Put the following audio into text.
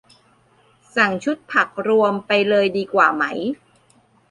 สั่งชุดผักรวมไปเลยดีกว่าไหม